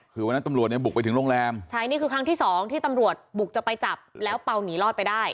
คือวันนั้นตำรวจเนี่ยบุกไปถึงโรงแรมใช่นี่คือครั้งที่สองที่ตำรวจบุกจะไปจับแล้วเปล่าหนีรอดไปได้